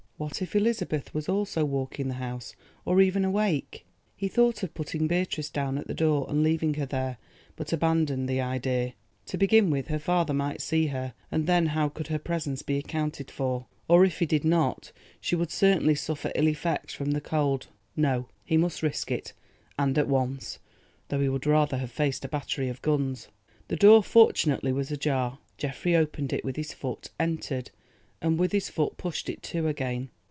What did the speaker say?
What if Elizabeth was also walking the house or even awake? He thought of putting Beatrice down at the door and leaving her there, but abandoned the idea. To begin with, her father might see her, and then how could her presence be accounted for? or if he did not, she would certainly suffer ill effects from the cold. No, he must risk it, and at once, though he would rather have faced a battery of guns. The door fortunately was ajar. Geoffrey opened it with his foot, entered, and with his foot pushed it to again.